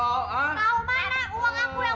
tau mana uang aku yang buat beli masakan ini mana